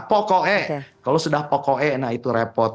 pokoknya kalau sudah pokoknya nah itu repot